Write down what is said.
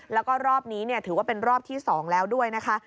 แล้วก็รอบนี้ถือว่าเป็นรอบที่๒แล้วด้วยนะคะ